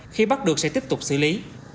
tiếp tục xử lý